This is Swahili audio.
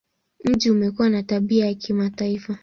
Mji umekuwa na tabia ya kimataifa.